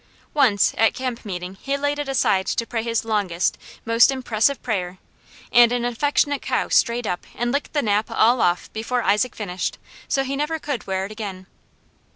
Once at camp meeting he laid it aside to pray his longest, most impressive prayer, and an affectionate cow strayed up and licked the nap all off before Isaac finished, so he never could wear it again.